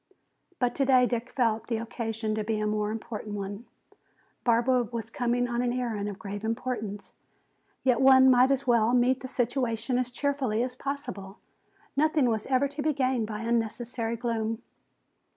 But today Dick felt the occasion to be a more important one. Barbara was coming on an errand of grave importance. Yet one might as well meet the situation as cheerfully as possible. Nothing was ever to be gained by unnecessary gloom.